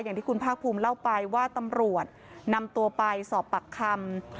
อย่างที่คุณภาคภูมิเล่าไปว่าตำรวจนำตัวไปสอบปากคำ